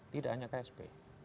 tidak hanya ksp